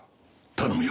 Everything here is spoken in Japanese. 頼むよ